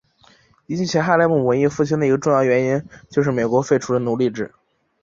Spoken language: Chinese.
引起哈莱姆文艺复兴的一个重要原因就是美国废除了奴隶制。